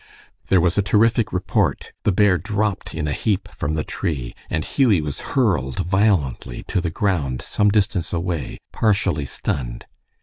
There was a terrific report, the bear dropped in a heap from the tree, and Hughie was hurled violently to the ground some distance away, partially stunned.